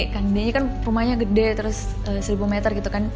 kan biasanya kan rumahnya gede terus seribu meter gitu kan